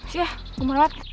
sial umur banget